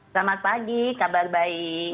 selamat pagi kabar baik